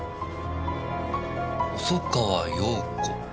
細川洋子。